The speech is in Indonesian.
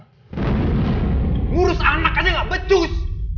ngurus anak aja gak becus